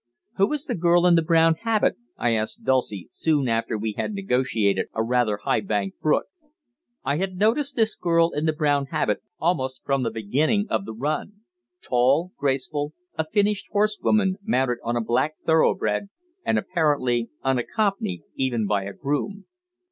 "Who is the girl in the brown habit?" I asked Dulcie, soon after we had negotiated a rather high banked brook. I had noticed this girl in the brown habit almost from the beginning of the run tall, graceful, a finished horsewoman, mounted on a black thoroughbred, and apparently unaccompanied, even by a groom.